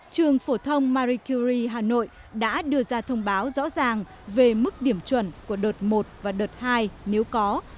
trường phổ thông maricuri hà nội đã đưa ra thông báo rõ ràng về mức điểm chuẩn của đợt một và đợt hai nếu có